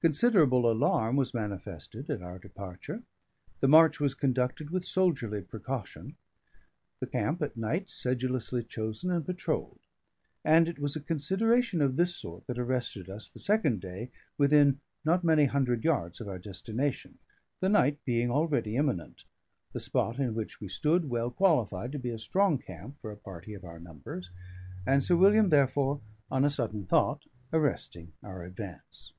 Considerable alarm was manifested at our departure; the march was conducted with soldierly precaution, the camp at night sedulously chosen and patrolled; and it was a consideration of this sort that arrested us, the second day, within not many hundred yards of our destination the night being already imminent, the spot in which we stood well qualified to be a strong camp for a party of our numbers; and Sir William, therefore, on a sudden thought, arresting our advance.